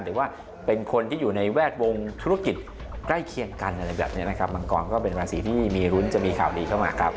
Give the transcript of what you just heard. หรือว่าเป็นคนที่อยู่ในแวดวงธุรกิจใกล้เคียงกันอะไรแบบนี้นะครับมังกรก็เป็นราศีที่มีรุ้นจะมีข่าวดีเข้ามาครับ